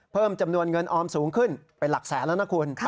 เพิ่มจำนวนเงินออมสูงขึ้นเป็นหลักแสนแล้วนะคุณ